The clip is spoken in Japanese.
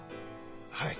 はい。